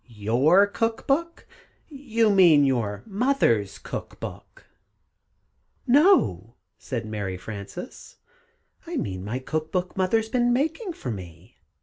"] "Your cook book you mean your mother's cook book." "No," said Mary Frances, "I mean my cook book Mother's been making for me.